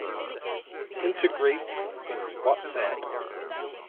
Integrates with WhatsApp